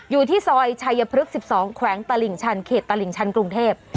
อยู่ที่ซอยชัยพฤกษ์๑๒แขวงตลิ่งชันเขตตลิ่งชันกรุงเทพ